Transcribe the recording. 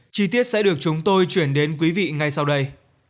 chi tiết sẽ được chúng tôi chuyển đến quý vị ngay sau đây